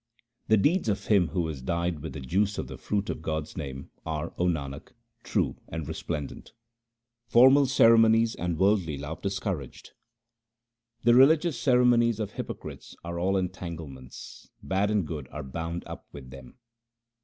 The deeds of him who is dyed with the juice of the fruit of God's name, are, O Nanak, true and resplendent. Formal ceremonies and worldly love discour aged :— The religious ceremonies of hypocrites are all entangle ments ; bad and good are bound up with them.